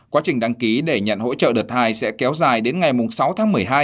quá trình đăng ký để nhận hỗ trợ đợt hai sẽ kéo dài đến ngày sáu tháng một mươi hai